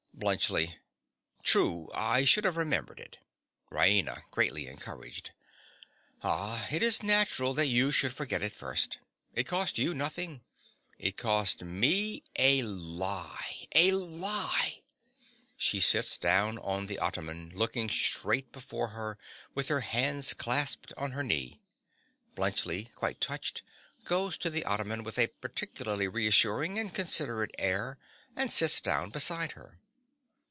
BLUNTSCHLI. True. I should have remembered it. RAINA. (greatly encouraged). Ah, it is natural that you should forget it first. It cost you nothing: it cost me a lie!—a lie!! (_She sits down on the ottoman, looking straight before her with her hands clasped on her knee. Bluntschli, quite touched, goes to the ottoman with a particularly reassuring and considerate air, and sits down beside her.